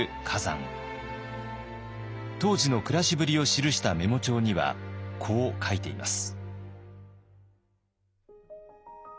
当時の暮らしぶりを記したメモ帳にはこう書いています。